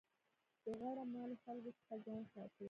د غوړه مالو خلکو څخه ځان ساتئ.